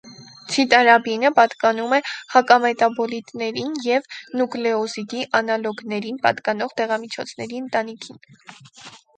Ցիտարաբինը պատկանում է հակամետաբոլիտներին և նուկլեոզիդի անալոգներին պատկանող դեղամիջոցների ընտանիքներին։